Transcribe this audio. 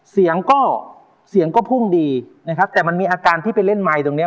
เสียงก็เสียงก็พุ่งดีนะครับแต่มันมีอาการที่ไปเล่นไมค์ตรงเนี้ย